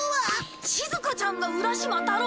しずかちゃんが浦島太郎？